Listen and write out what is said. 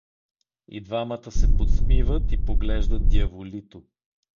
И двамата се подсмиват и поглеждат дяволито.